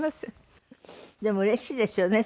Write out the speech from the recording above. でもうれしいですよね